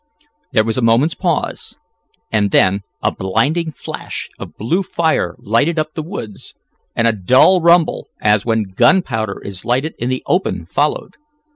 There was a moment's pause, and then a blinding flash of blue fire lighted up the woods, and a dull rumble, as when gun powder is lighted in the open followed.